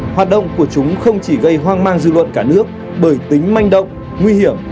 hoạt động của chúng không chỉ gây hoang mang dư luận cả nước bởi tính manh động nguy hiểm